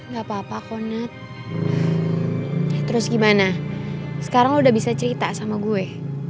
gapapa kok nat terus gimana sekarang lo udah bisa cerita sama gue